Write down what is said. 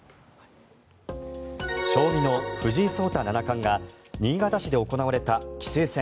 将棋の藤井聡太七冠が新潟市で行われた棋聖戦